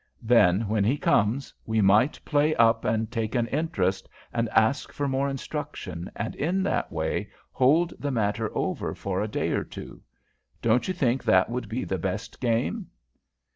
Then, when he comes, we might play up and take an interest and ask for more instruction, and in that way hold the matter over for a day or two. Don't you think that would be the best game?"